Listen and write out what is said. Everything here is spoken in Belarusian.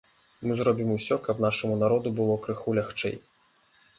Мы зробім усё, каб нашаму народу было крыху лягчэй.